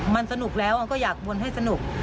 มันสนุกแล้วมันก็อยากวนให้สนุก